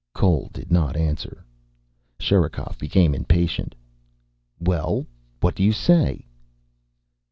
Cole did not answer. Sherikov became impatient. "Well? What do you say?"